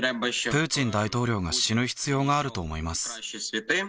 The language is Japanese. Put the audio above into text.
プーチン大統領が死ぬ必要があると思います。